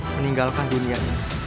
meninggalkan dunia ini